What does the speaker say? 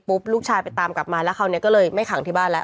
ปุ๊บลูกชายไปตามกลับมาแล้วเขาเลยไม่ขังที่บ้านล่ะ